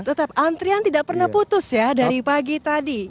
tetap antrian tidak pernah putus ya dari pagi tadi